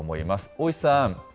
大石さん。